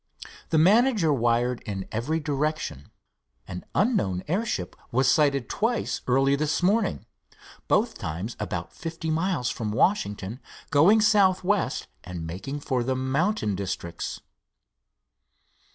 The manager wired in every direction. An unknown airship was sighted twice, early this morning, both times about fifty miles from Washington, going southwest and making for the mountain districts."